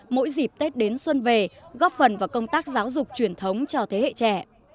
mỗi dịp tết đến xuân về góp phần vào công tác giáo dục truyền thống cho thế hệ trẻ